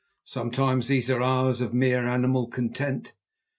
Sometimes these are hours of mere animal content.